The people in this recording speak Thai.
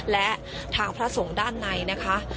และทางพระสงฆ์ด้านในนะคะ